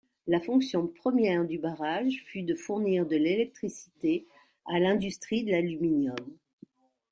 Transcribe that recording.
La fonction première du barrage fut de fournir de l’électricité à l’industrie de l’aluminium.